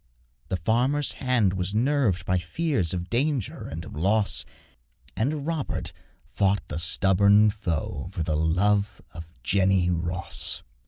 The farmer's hand was nerved by fears Of danger and of loss; And Robert fought the stubborn foe For the love of Jenny Ross.